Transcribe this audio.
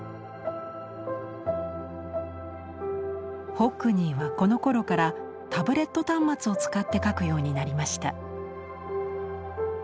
ホックニーはこのころからタブレット端末を使って描くようになりました。